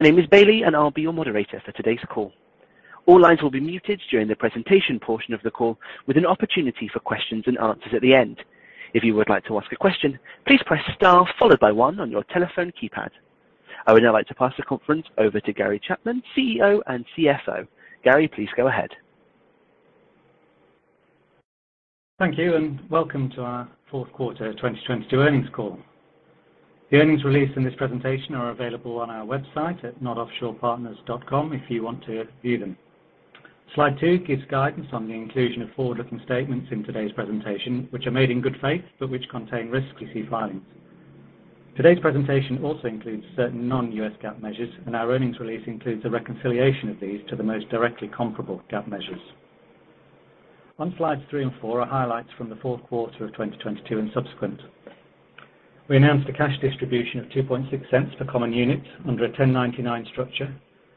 My name is Bailey, and I'll be your moderator for today's call. All lines will be muted during the presentation portion of the call, with an opportunity for questions and answers at the end. If you would like to ask a question, please press star followed by one on your telephone keypad. I would now like to pass the conference over to Gary Chapman, CEO and CFO. Gary, please go ahead. Thank you. Welcome to our fourth quarter 2022 earnings call. The earnings released in this presentation are available on our website at knotoffshorepartners.com if you want to view them. Slide 2 gives guidance on the inclusion of forward-looking statements in today's presentation, which are made in good faith, but which contain risks to filings. Today's presentation also includes certain non-U.S. GAAP measures, and our earnings release includes a reconciliation of these to the most directly comparable GAAP measures. On Slides 3 and 4 are highlights from the fourth quarter of 2022 and subsequent. We announced a cash distribution of $0.026 per common unit under a 1099 structure,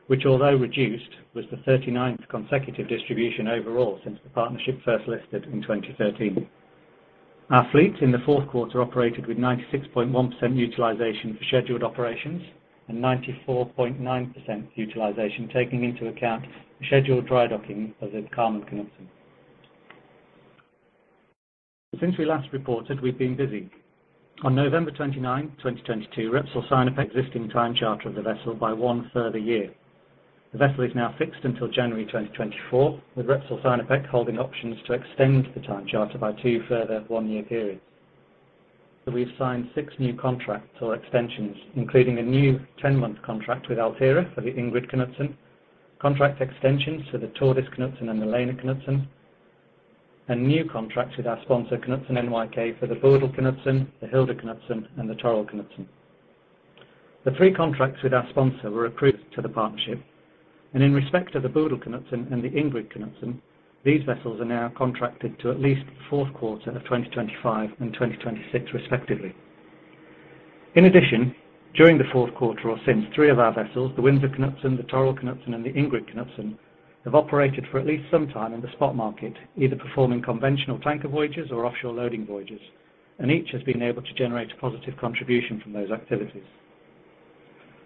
which although reduced, was the 39th consecutive distribution overall since the partnership first listed in 2013. Our fleet in the fourth quarter operated with 96.1% utilization for scheduled operations and 94.9% utilization, taking into account the scheduled drydocking of the Carmen Knutsen. Since we last reported, we've been busy. On November 29, 2022, Repsol signed a existing time charter of the vessel by one further year. The vessel is now fixed until January 2024, with Repsol Sinopec holding options to extend the time charter by two further one-year periods. We've signed six new contracts or extensions, including a new 10-month contract with Altera for the Ingrid Knutsen, contract extensions to the Tordis Knutsen and the Lena Knutsen, and new contracts with our sponsor, Knutsen NYK, for the Bodil Knutsen, the Hilda Knutsen, and the Torill Knutsen. The three contracts with our sponsor were approved to the partnership. In respect to the Bodil Knutsen and the Ingrid Knutsen, these vessels are now contracted to at least the fourth quarter of 2025 and 2026 respectively. In addition, during the fourth quarter or since, three of our vessels, the Windsor Knutsen, the Torill Knutsen, and the Ingrid Knutsen, have operated for at least some time in the spot market, either performing conventional tanker voyages or offshore loading voyages. Each has been able to generate a positive contribution from those activities.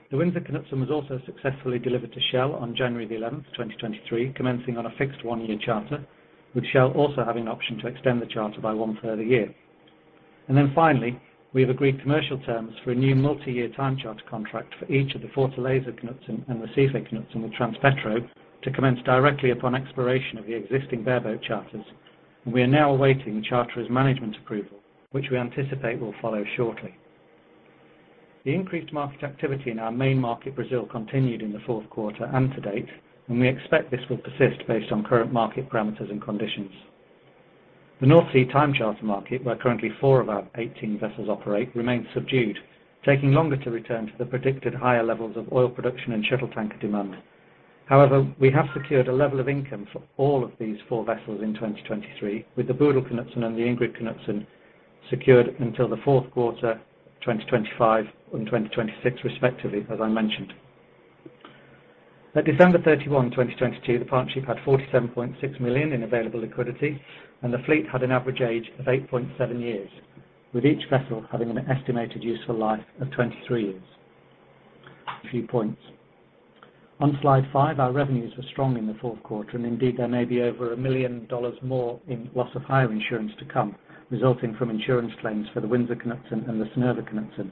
The Windsor Knutsen was also successfully delivered to Shell on January 11, 2023, commencing on a fixed one-year charter, with Shell also having an option to extend the charter by one further year. Then finally, we have agreed commercial terms for a new multi-year time charter contract for each of the Fortaleza Knutsen and the Recife Knutsen with Transpetro to commence directly upon expiration of the existing bareboat charters. We are now awaiting the charter's management approval, which we anticipate will follow shortly. The increased market activity in our main market, Brazil, continued in the fourth quarter and to date, and we expect this will persist based on current market parameters and conditions. The North Sea time charter market, where currently four of our 18 vessels operate, remains subdued, taking longer to return to the predicted higher levels of oil production and shuttle tanker demand. We have secured a level of income for all of these four vessels in 2023, with the Bodil Knutsen and the Ingrid Knutsen secured until the fourth quarter 2025 and 2026, respectively, as I mentioned. At December 31, 2022, the partnership had $47.6 million in available liquidity, and the fleet had an average age of 8.7 years, with each vessel having an estimated useful life of 23 years. A few points. On slide 5, our revenues were strong in the fourth quarter, and indeed, there may be over $1 million more in loss of hire insurance to come, resulting from insurance claims for the Windsor Knutsen and the Sindre Knutsen,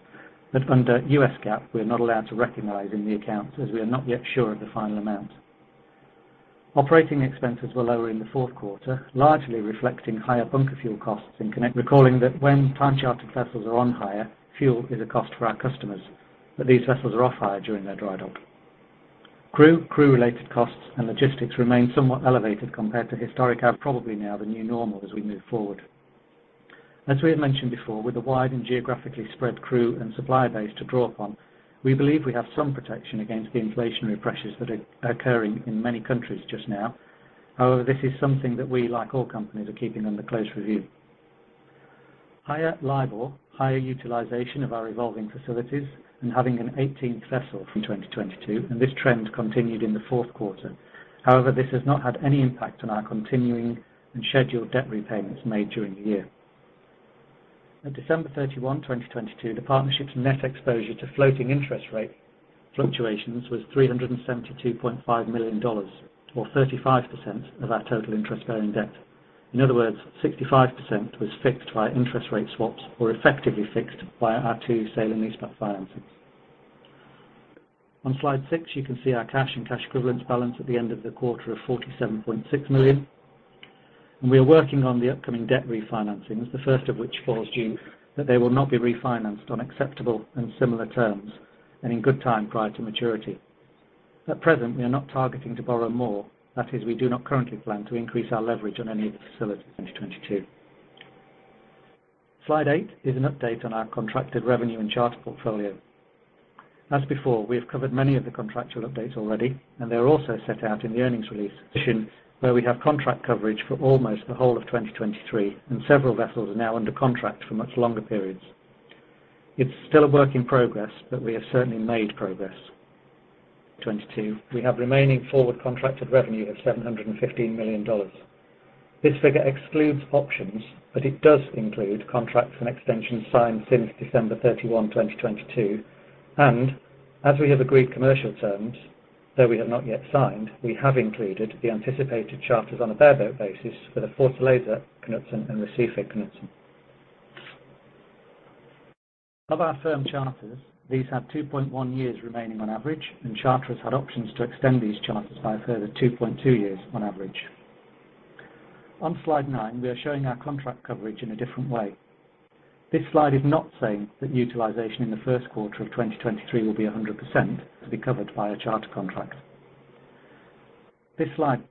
that under U.S. GAAP, we are not allowed to recognize in the account as we are not yet sure of the final amount. Operating expenses were lower in the fourth quarter, largely reflecting higher bunker fuel costs recalling that when time chartered vessels are on hire, fuel is a cost for our customers, but these vessels are off hire during their dry dock. Crew, crew-related costs and logistics remain somewhat elevated compared to historic and probably now the new normal as we move forward. As we have mentioned before, with a wide and geographically spread crew and supply base to draw upon, we believe we have some protection against the inflationary pressures that are occurring in many countries just now. This is something that we, like all companies, are keeping under close review. Higher LIBOR, higher utilization of our evolving facilities and having an 18th vessel from 2022, and this trend continued in the fourth quarter. This has not had any impact on our continuing and scheduled debt repayments made during the year. At December 31, 2022, the Partnership's net exposure to floating interest rate fluctuations was $372.5 million or 35% of our total interest-bearing debt. In other words, 65% was fixed via interest rate swaps or effectively fixed via our two sale and leaseback financings. On slide 6, you can see our cash and cash equivalents balance at the end of the quarter of $47.6 million. We are working on the upcoming debt refinancings, the first of which falls due that they will not be refinanced on acceptable and similar terms and in good time prior to maturity. At present, we are not targeting to borrow more. That is, we do not currently plan to increase our leverage on any of the facilities in 2022. Slide 8 is an update on our contracted revenue and charter portfolio. As before, we have covered many of the contractual updates already. They are also set out in the earnings release addition where we have contract coverage for almost the whole of 2023, and several vessels are now under contract for much longer periods. It's still a work in progress. We have certainly made progress. 2022, we have remaining forward contracted revenue of $715 million. This figure excludes options. It does include contracts and extensions signed since December 31, 2022. As we have agreed commercial terms, though we have not yet signed, we have included the anticipated charters on a bareboat basis for the Fortaleza Knutsen and the Recife Knutsen. Of our firm charters, these have 2.1 years remaining on average. Charterers had options to extend these charters by a further 2.2 years on average. On Slide 9, we are showing our contract coverage in a different way. This slide is not saying that utilization in the first quarter of 2023 will be 100% to be covered by a charter contract. This slide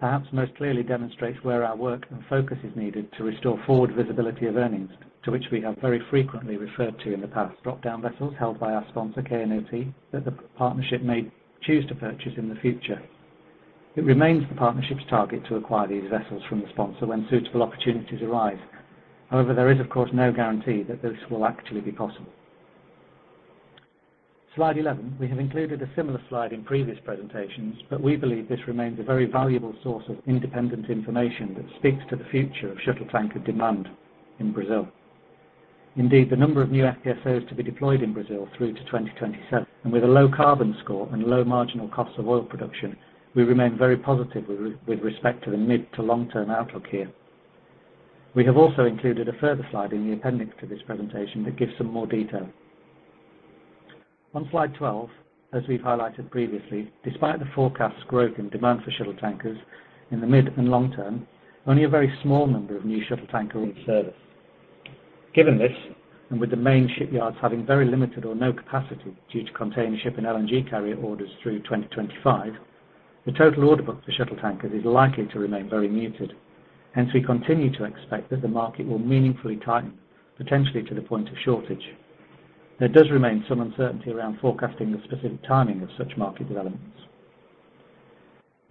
perhaps most clearly demonstrates where our work and focus is needed to restore forward visibility of earnings, to which we have very frequently referred to in the past. Drop-down vessels held by our sponsor, KNOP, that the partnership may choose to purchase in the future. It remains the partnership's target to acquire these vessels from the sponsor when suitable opportunities arise. There is of course, no guarantee that this will actually be possible. Slide 11. We have included a similar slide in previous presentations. We believe this remains a very valuable source of independent information that speaks to the future of shuttle tanker demand in Brazil. The number of new FPSOs to be deployed in Brazil through to 2027, and with a low carbon score and low marginal cost of oil production, we remain very positive with respect to the mid to long-term outlook here. We have also included a further slide in the appendix to this presentation that gives some more detail. On slide 12, as we've highlighted previously, despite the forecast growth in demand for shuttle tankers in the mid and long term, only a very small number of new shuttle tankers are in service. Given this, with the main shipyards having very limited or no capacity due to container ship and LNG carrier orders through 2025, the total order book for shuttle tankers is likely to remain very muted. Hence, we continue to expect that the market will meaningfully tighten, potentially to the point of shortage. There does remain some uncertainty around forecasting the specific timing of such market developments.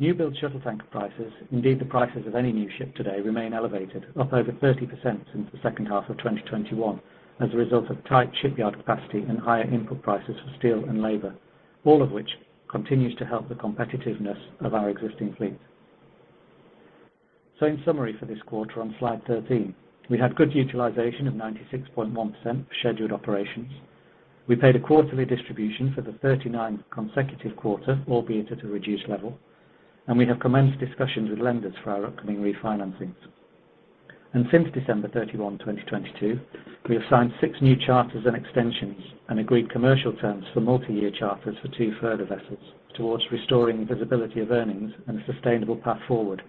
New build shuttle tanker prices, indeed, the prices of any new ship today remain elevated, up over 30% since the second half of 2021, as a result of tight shipyard capacity and higher input prices for steel and labor, all of which continues to help the competitiveness of our existing fleet. In summary for this quarter on slide 13, we had good utilization of 96.1 scheduled operations. We paid a quarterly distribution for the 39 consecutive quarter, albeit at a reduced level, and we have commenced discussions with lenders for our upcoming refinancings. Since December 31, 2022, we have signed six new charters and extensions and agreed commercial terms for multi-year charters for two further vessels towards restoring visibility of earnings and a sustainable path forward.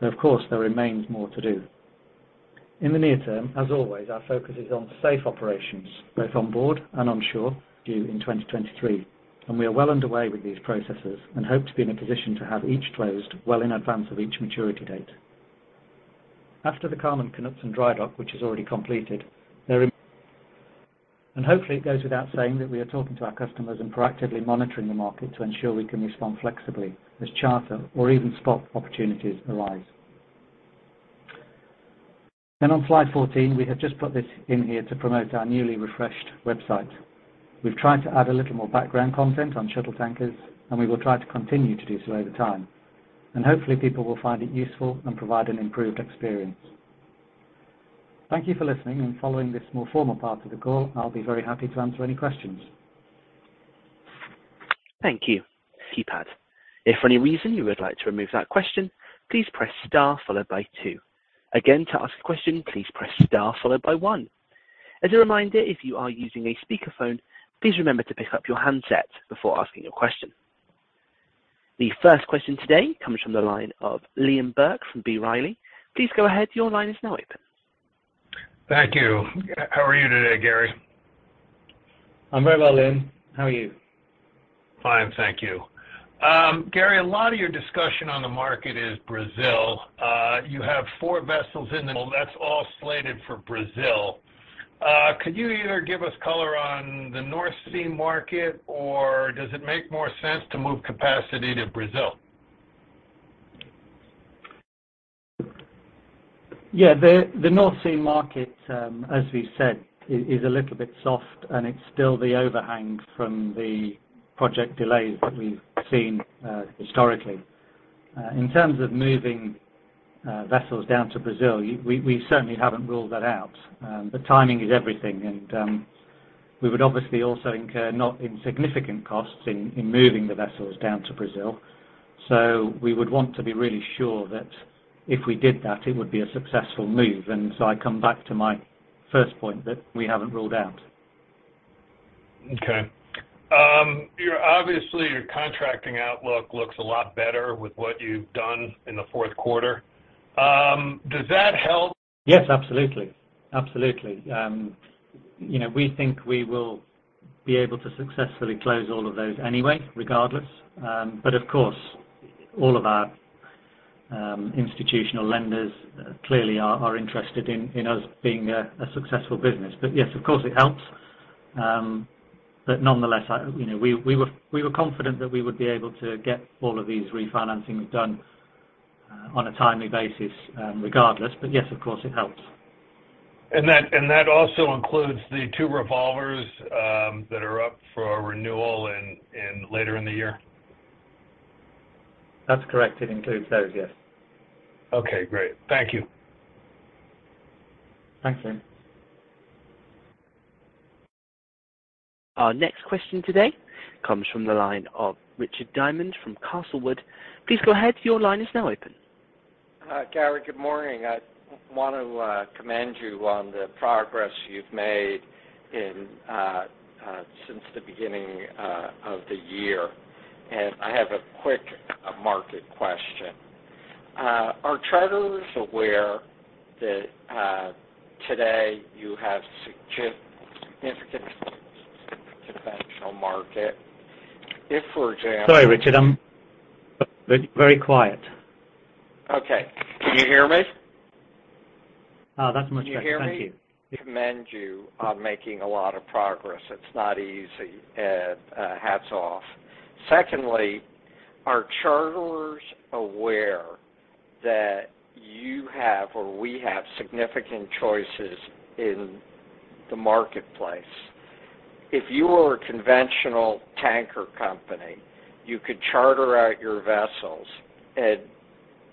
Though of course, there remains more to do. In the near term, as always, our focus is on safe operations, both on board and onshore, due in 2023. We are well underway with these processes and hope to be in a position to have each closed well in advance of each maturity date. After the Carmen Knutsen drydock, which is already completed. Hopefully it goes without saying that we are talking to our customers and proactively monitoring the market to ensure we can respond flexibly as charter or even spot opportunities arise. On slide 14, we have just put this in here to promote our newly refreshed website. We've tried to add a little more background content on shuttle tankers, and we will try to continue to do so over time, and hopefully people will find it useful and provide an improved experience. Thank you for listening and following this more formal part of the call. I'll be very happy to answer any questions. Thank you, keypad. If for any reason you would like to remove that question, please press star followed by two. Again, to ask a question, please press star followed by one. As a reminder, if you are using a speaker phone, please remember to pick up your handset before asking a question. The first question today comes from the line of Liam Burke from B. Riley. Please go ahead. Your line is now open. Thank you. How are you today, Gary? I'm very well, Liam. How are you? Fine. Thank you. Gary, a lot of your discussion on the market is Brazil. You have four vessels that's all slated for Brazil. Could you either give us color on the North Sea market, or does it make more sense to move capacity to Brazil? The North Sea market, as we said, is a little bit soft, and it's still the overhang from the project delays that we've seen, historically. In terms of moving vessels down to Brazil, we certainly haven't ruled that out. Timing is everything, and we would obviously also incur not insignificant costs in moving the vessels down to Brazil. We would want to be really sure that if we did that, it would be a successful move. I come back to my first point that we haven't ruled out. Okay. Obviously, your contracting outlook looks a lot better with what you've done in the fourth quarter. Does that help? Yes, absolutely. Absolutely. you know, we think we will be able to successfully close all of those anyway, regardless. Of course, all of our institutional lenders clearly are interested in us being a successful business. Yes, of course it helps. Nonetheless, I, you know, we were confident that we would be able to get all of these refinancings done on a timely basis, regardless. Yes, of course it helps. That also includes the two revolvers, that are up for renewal later in the year. That's correct. It includes those, yes. Okay, great. Thank you. Thanks, Liam. Our next question today comes from the line of Richard Diamond from Castlewood. Please go ahead. Your line is now open. Hi, Gary. Good morning. I want to commend you on the progress you've made since the beginning of the year. I have a quick market question. Are charters aware that today you have significant conventional market? If, for example- Sorry, Richard. I'm.... Very quiet. Okay. Can you hear me? Oh, that's much better. Thank you. Can you hear me? Commend you on making a lot of progress. It's not easy. Hats off. Secondly, are charters aware that you have, or we have significant choices in the marketplace? If you were a conventional tanker company, you could charter out your vessels, and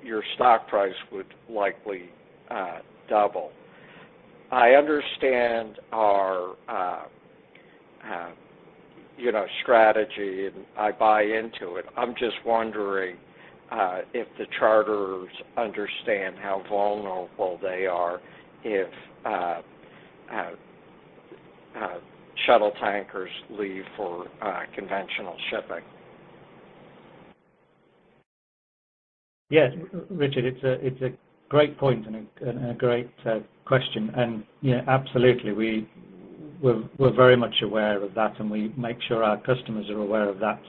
your stock price would likely double. I understand our, you know, strategy, and I buy into it. I'm just wondering if the charters understand how vulnerable they are if shuttle tankers leave for conventional shipping. Yes, Richard, it's a great point and a great question. You know, absolutely, we're very much aware of that, and we make sure our customers are aware of that,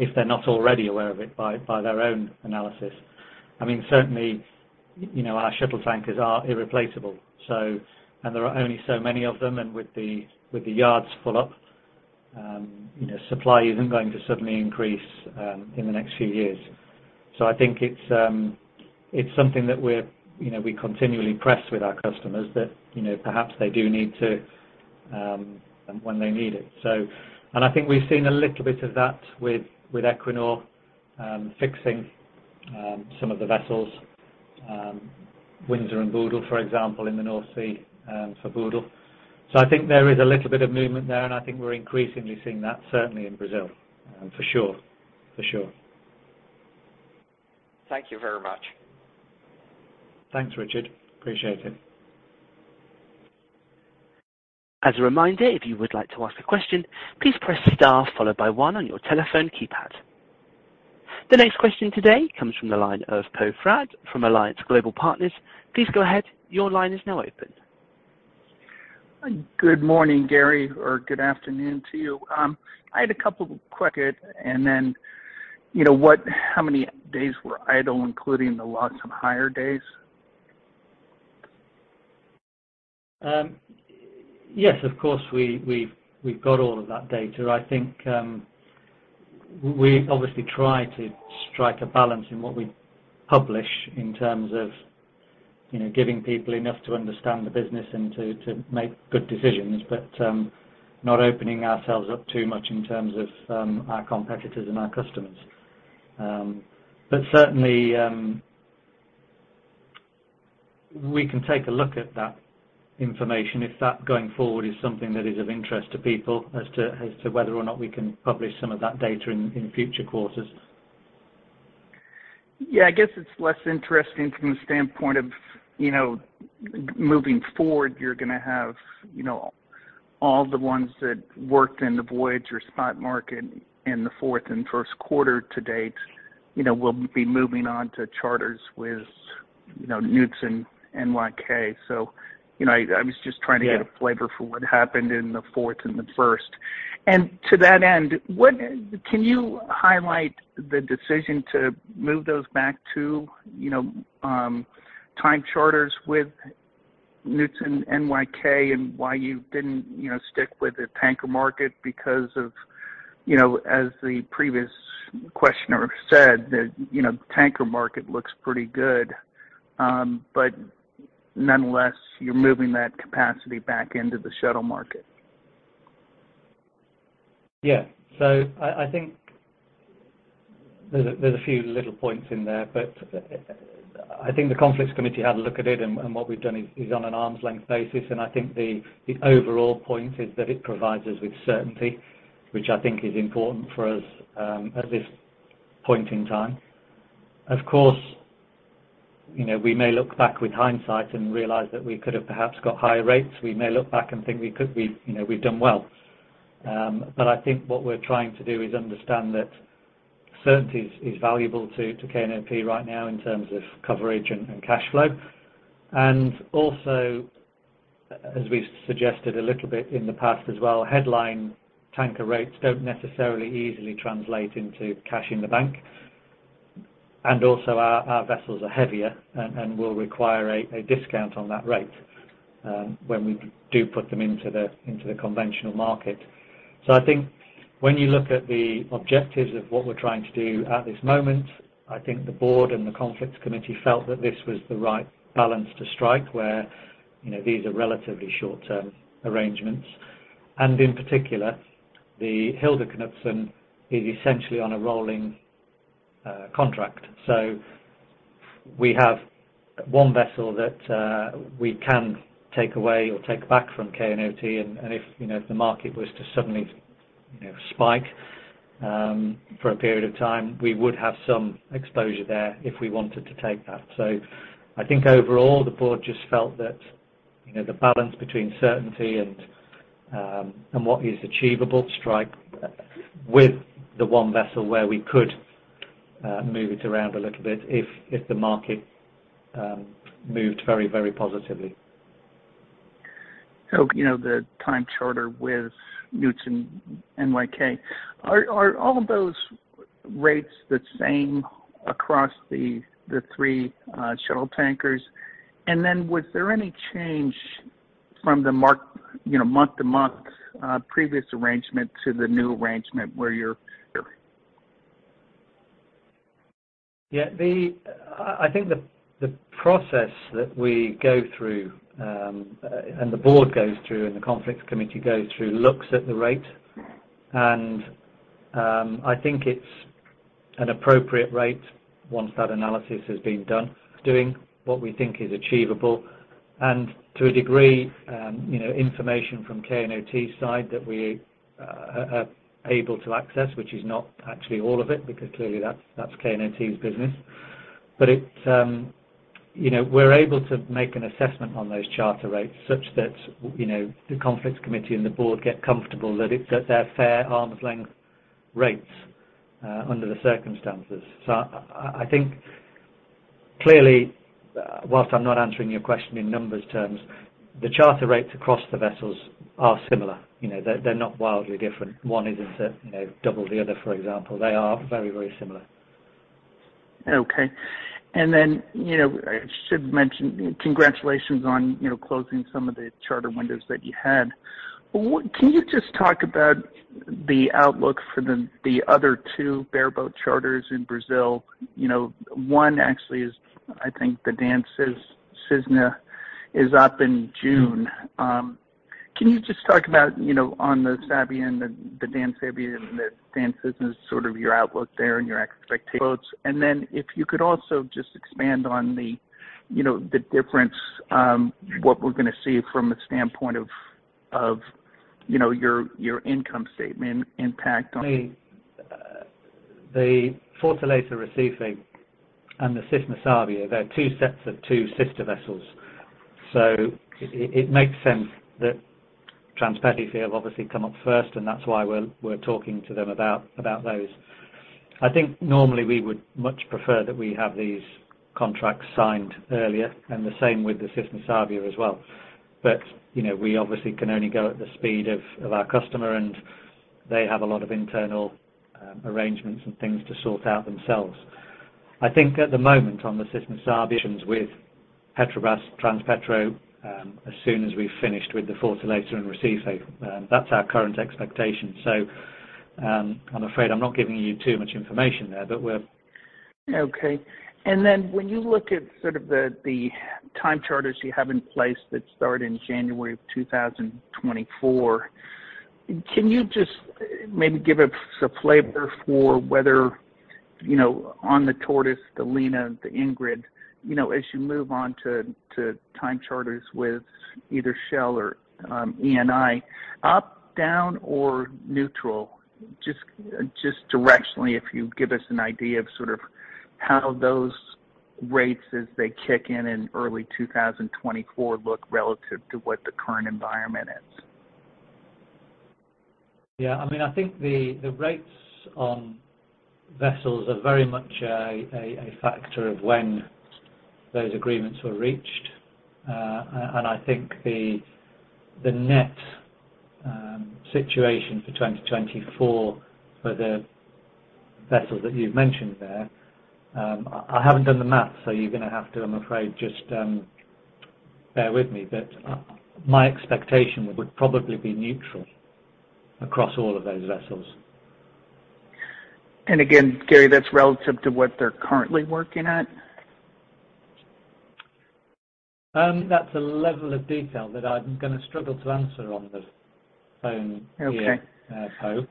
if they're not already aware of it by their own analysis. I mean, certainly, you know, our shuttle tankers are irreplaceable, so and there are only so many of them. With the yards full up, you know, supply isn't going to suddenly increase in the next few years. I think it's something that we're, you know, we continually press with our customers that, you know, perhaps they do need to, when they need it. I think we've seen a little bit of that with Equinor, fixing, some of the vessels, Windsor and Bodil, for example, in the North Sea, for Bodil. I think there is a little bit of movement there, and I think we're increasingly seeing that, certainly in Brazil, for sure. For sure. Thank you very much. Thanks, Richard. Appreciate it. As a reminder, if you would like to ask a question, please press star followed by one on your telephone keypad. The next question today comes from the line of Poe Fratt from Alliance Global Partners. Please go ahead. Your line is now open. Good morning, Gary, or good afternoon to you. I had a couple quick and then, you know, what, how many days were idle, including the loss of hire days? Yes, of course we've got all of that data. I think, we obviously try to strike a balance in what we publish in terms of, you know, giving people enough to understand the business and to make good decisions, but not opening ourselves up too much in terms of our competitors and our customers. Certainly, we can take a look at that information if that, going forward, is something that is of interest to people as to whether or not we can publish some of that data in future quarters. Yeah, I guess it's less interesting from the standpoint of, you know, moving forward, you're gonna have, you know, all the ones that worked in the voyage or spot market in the fourth and first quarter to date, you know, will be moving on to charters with, you know, Knutsen NYK. You know, I was just trying to. Yeah. get a flavor for what happened in the fourth and the first. To that end, can you highlight the decision to move those back to, you know, time charters with Knutsen NYK, and why you didn't, you know, stick with the tanker market because of, you know, as the previous questioner said, the, you know, tanker market looks pretty good? Nonetheless, you're moving that capacity back into the shuttle market. I think there's a, there's a few little points in there, but I think the conflicts committee had a look at it, and what we've done is on an arm's length basis. I think the overall point is that it provides us with certainty, which I think is important for us at this point in time. Of course, you know, we may look back with hindsight and realize that we could have perhaps got higher rates. We may look back and think we could be, you know, we've done well. I think what we're trying to do is understand that certainty is valuable to KNOT right now in terms of coverage and cash flow. Also, as we suggested a little bit in the past as well, headline tanker rates don't necessarily easily translate into cash in the bank. Also our vessels are heavier and will require a discount on that rate when we do put them into the conventional market. When you look at the objectives of what we're trying to do at this moment, I think the board and the conflicts committee felt that this was the right balance to strike, where, you know, these are relatively short-term arrangements. In particular, the Hilda Knutsen is essentially on a rolling contract. We have one vessel that we can take away or take back from KNOT. If, you know, the market was to suddenly, you know, spike, for a period of time, we would have some exposure there if we wanted to take that. I think overall, the board just felt that, you know, the balance between certainty and what is achievable strike with the one vessel where we could move it around a little bit if the market moved very, very positively. you know, the time charter with Knutsen NYK, are all those rates the same across the three shuttle tankers? was there any change from the mark, you know, month-to-month previous arrangement to the new arrangement where you're? Yeah. The process that we go through, and the board goes through, and the conflicts committee goes through, looks at the rate. I think it's an appropriate rate once that analysis has been done, doing what we think is achievable. To a degree, you know, information from KNOT side that we are able to access, which is not actually all of it, because clearly that's KNOT's business. It's, you know, we're able to make an assessment on those charter rates such that, you know, the conflicts committee and the board get comfortable that it's at their fair arm's length rates under the circumstances. I think clearly, whilst I'm not answering your question in numbers terms, the charter rates across the vessels are similar. You know, they're not wildly different. One isn't a, you know, double the other, for example. They are very, very similar. Okay. You know, I should mention, congratulations on, you know, closing some of the charter windows that you had. Can you just talk about the outlook for the other two bareboat charters in Brazil? You know, one actually is, I think the Dan Cisne is up in June. Can you just talk about, you know, on the Dan Sabia and the Dan Cisne, sort of your outlook there and your expectations. If you could also just expand on the, you know, the difference, what we're gonna see from a standpoint of, you know, your income statement impact on... The Fortaleza Recife and the Cisne Sabia, they're two sets of two sister vessels. It makes sense that Transpetro feel obviously come up first, and that's why we're talking to them about those. I think normally we would much prefer that we have these contracts signed earlier and the same with the Cisne Sabia as well. You know, we obviously can only go at the speed of our customer, and they have a lot of internal arrangements and things to sort out themselves. I think at the moment on the Cisne Sabia, with Petrobras, Transpetro, as soon as we've finished with the Fortaleza and Recife, that's our current expectation. I'm afraid I'm not giving you too much information there, but we're. Okay. Then when you look at sort of the time charters you have in place that start in January of 2024, can you just maybe give us a flavor for whether, you know, on the Tordis Knutsen, the Lena Knutsen, the Ingrid Knutsen, you know, as you move on to time charters with either Shell or Eni, up, down or neutral, just directionally, if you give us an idea of sort of how those rates as they kick in in early 2024 look relative to what the current environment is? Yeah. I mean, I think the rates on vessels are very much a factor of when those agreements were reached. And I think the net situation for 2024 for the vessels that you've mentioned there, I haven't done the math, so you're gonna have to, I'm afraid, just bear with me. My expectation would probably be neutral across all of those vessels. Again, Gary, that's relative to what they're currently working at? That's a level of detail that I'm gonna struggle to answer on the phone here. Okay. Poe.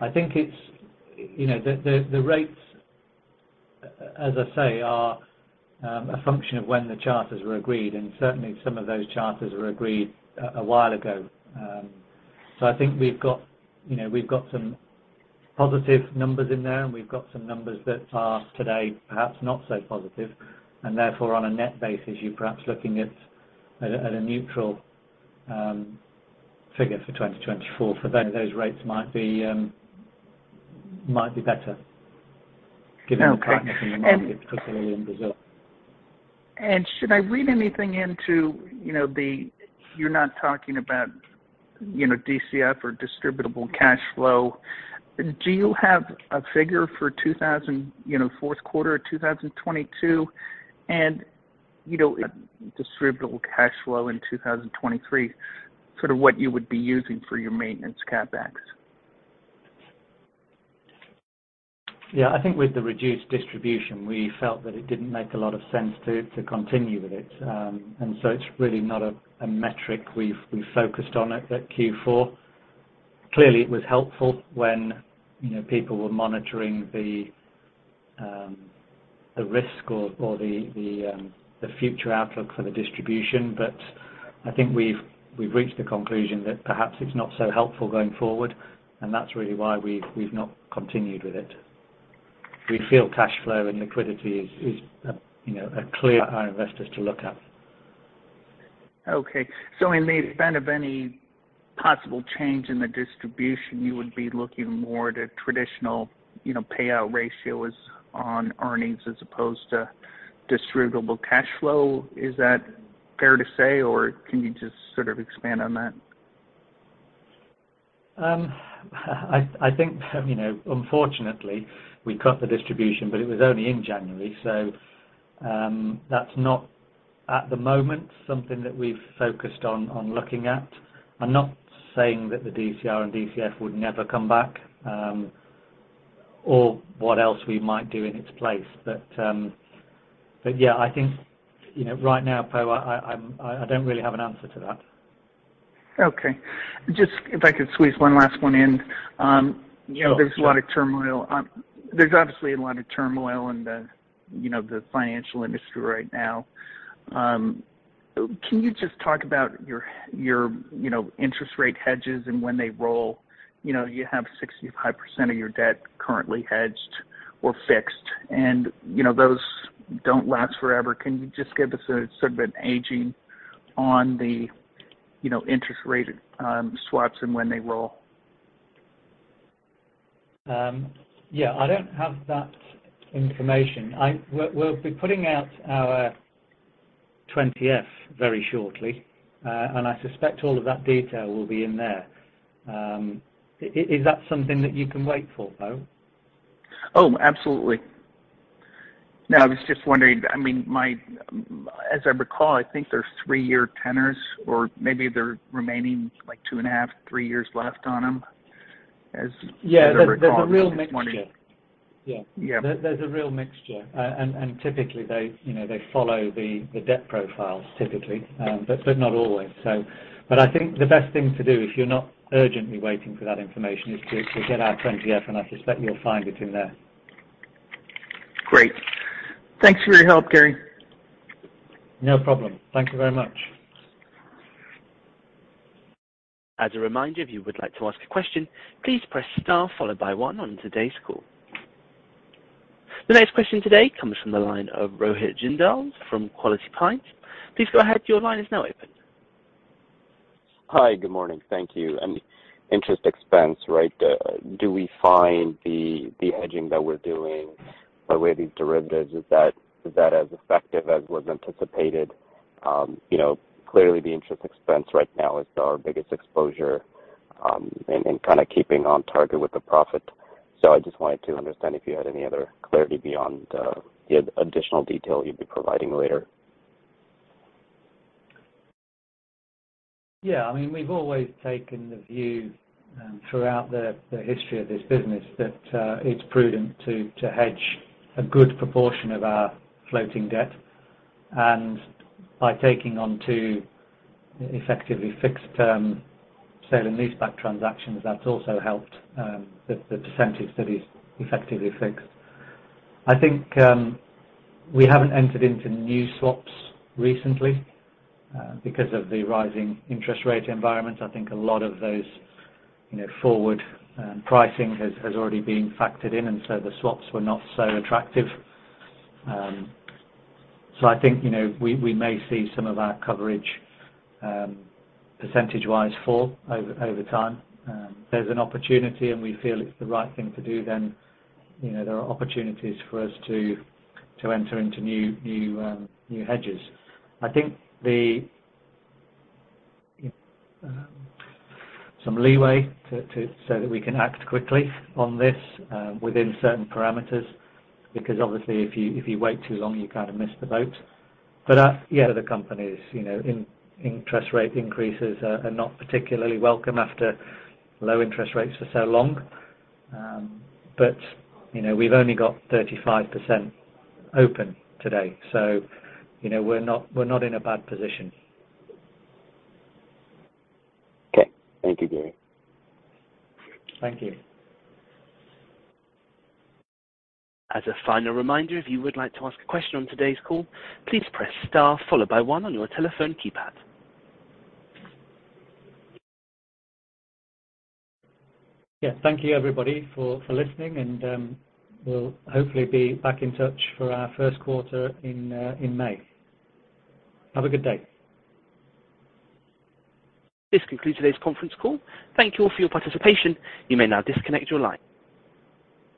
I think it's, you know, the, the rates, as I say, are a function of when the charters were agreed. Certainly some of those charters were agreed a while ago. I think we've got, you know, we've got some positive numbers in there, and we've got some numbers that are today perhaps not so positive. Therefore, on a net basis, you're perhaps looking at a neutral figure for 2024. Those rates might be better given the partners in the market, particularly in Brazil. Should I read anything into, you know, you're not talking about, you know, DCF or distributable cash flow? Do you have a figure for, you know, fourth quarter 2022? You know, distributable cash flow in 2023, sort of what you would be using for your maintenance CapEx. Yeah. I think with the reduced distribution, we felt that it didn't make a lot of sense to continue with it. It's really not a metric we've focused on at Q4. Clearly, it was helpful when, you know, people were monitoring the risk or the future outlook for the distribution. I think we've reached the conclusion that perhaps it's not so helpful going forward. That's really why we've not continued with it. We feel cash flow and liquidity is, you know, a clear investors to look at. Okay. In the event of any possible change in the distribution, you would be looking more to traditional, you know, payout ratios on earnings as opposed to distributable cash flow. Is that fair to say, or can you just sort of expand on that? I think, you know, unfortunately, we cut the distribution, but it was only in January, so, that's not, at the moment, something that we've focused on looking at. I'm not saying that the DCR and DCF would never come back, or what else we might do in its place. Yeah, I think, you know, right now, Poe, I don't really have an answer to that. Okay. Just if I could squeeze one last one in. Yeah, sure. There's a lot of turmoil. There's obviously a lot of turmoil in the, you know, the financial industry right now. Can you just talk about your, you know, interest rate hedges and when they roll? You know, you have 65% of your debt currently hedged or fixed, and, you know, those don't last forever. Can you just give us a sort of an aging on the, you know, interest rate swaps and when they roll? Yeah, I don't have that information. We'll be putting out our 20-F very shortly, and I suspect all of that detail will be in there. Is that something that you can wait for, Poe? Oh, absolutely. No, I was just wondering, I mean, my, as I recall, I think there's three-year tenors or maybe they're remaining, like, 2.5, three years left on them. Yeah. There's a real mixture. Yeah. Yeah. There's a real mixture. Typically, they, you know, they follow the debt profiles typically, but not always. I think the best thing to do if you're not urgently waiting for that information is to get our 20-F, and I suspect you'll find it in there. Great. Thanks for your help, Gary. No problem. Thank you very much. As a reminder, if you would like to ask a question, please press star followed by one on today's call. The next question today comes from the line of Rohit Jindal from Quality Pipes. Please go ahead. Your line is now open. Hi. Good morning. Thank you. Interest expense, right, do we find the hedging that we're doing by way of these derivatives, is that as effective as was anticipated? You know, clearly the interest expense right now is our biggest exposure, in kinda keeping on target with the profit. I just wanted to understand if you had any other clarity beyond the additional detail you'll be providing later. Yeah. I mean, we've always taken the view throughout the history of this business that it's prudent to hedge a good proportion of our floating debt. By taking on too effectively fixed term sale and leaseback transactions, that's also helped the percentage that is effectively fixed. I think we haven't entered into new swaps recently because of the rising interest rate environment. I think a lot of those, you know, forward pricing has already been factored in, and so the swaps were not so attractive. I think, you know, we may see some of our coverage percentage-wise fall over time. There's an opportunity, and we feel it's the right thing to do then. You know, there are opportunities for us to enter into new hedges. Some leeway so that we can act quickly on this within certain parameters. Obviously if you wait too long, you kind of miss the boat. That, yeah, the company's, you know, interest rate increases are not particularly welcome after low interest rates for so long. You know, we've only got 35% open today. You know, we're not in a bad position. Okay. Thank you, Gary. Thank you. As a final reminder, if you would like to ask a question on today's call, please press star followed by one on your telephone keypad. Thank you everybody for listening and, we'll hopefully be back in touch for our first quarter in May. Have a good day. This concludes today's conference call. Thank you all for your participation. You may now disconnect your line.